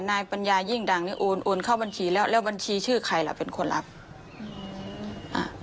นายปัญญายิ่งดังนี่โอนโอนเข้าบัญชีแล้วแล้วบัญชีชื่อใครล่ะเป็นคนรับอืมอ่า